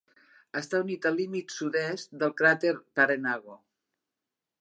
Està unit al límit est-sud-est del cràter Parenago.